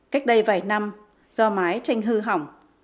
cách đây vài năm do mái tranh hư hỏng